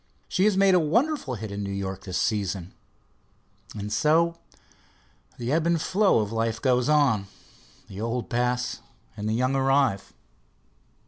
She has made a wonderful hit in New York this season. And so the ebb and flow of life goes on the old pass and the young arrive.